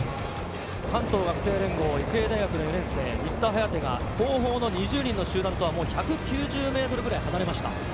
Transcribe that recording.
関東学生連合・新田颯が後方２０人の集団とは１９０ｍくらい離れました。